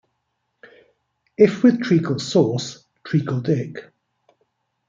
If with treacle sauce, treacle dick.